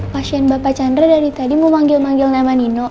pasien bapak chandra dari tadi memanggil manggil nama nino